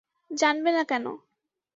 জানবে না কেন।